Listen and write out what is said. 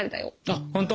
あっ本当？